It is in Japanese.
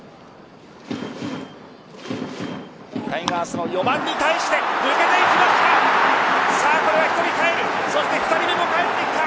タイガースの４番に対して抜けていくか。